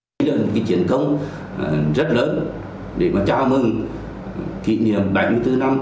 đến lần chuyển công rất lớn để chào mừng kỷ niệm bảy mươi bốn năm